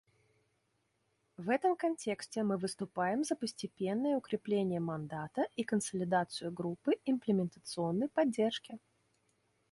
В этом контексте мы выступаем за постепенное укрепление мандата и консолидацию Группы имплементационной поддержки.